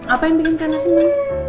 apa yang bikin keras ini